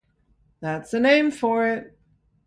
That's the name for it.